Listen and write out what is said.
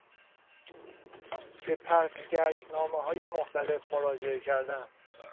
به پسگشتنامههای مختلف مراجعه کردن